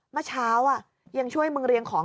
เมื่อเช้ายังช่วยมึงเรียงของ